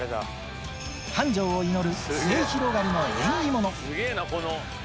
繁盛を祈る末広がりの縁起もの。